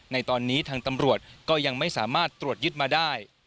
ในตอนนี้ทางตำรวจก็ยังไม่สามารถตรวจยึดมาได้